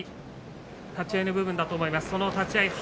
立ち合いの部分だと思います。